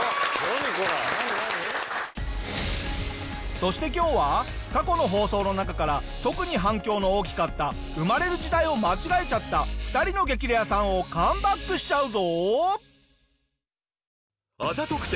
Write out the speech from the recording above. そして今日は過去の放送の中から特に反響の大きかった生まれる時代を間違えちゃった２人の激レアさんをカムバックしちゃうぞ。